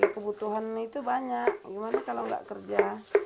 kebutuhan itu banyak gimana kalau nggak kerja